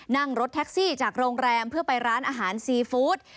นั่งรถแท็กซี่จากโรงแรมเพื่อไปร้านอาหารซีฟู้ด